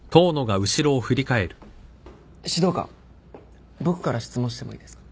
指導官僕から質問してもいいですか？